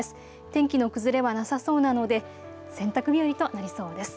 天気の崩れはなさそうなので洗濯日和となりそうです。